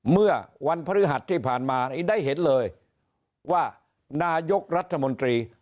เมื่อวันพฤหัสที่ผ่านมาได้เห็นเลยว่านายกรัฐมนตรี